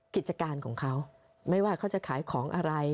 กิจการของเขาไม่ว่าเขาจะขายของอะไร